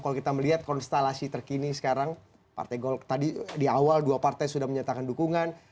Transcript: kalau kita melihat konstelasi terkini sekarang partai golkar tadi di awal dua partai sudah menyatakan dukungan